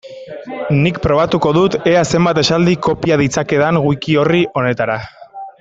Nik probatuko dut ea zenbat esaldi kopia ditzakedan wiki-orri honetara.